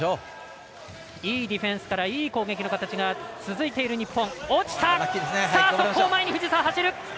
いいディフェンスからいい攻撃の形が続いている日本。